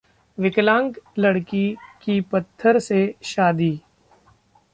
विकलांग लड़की की पत्थर से शादी!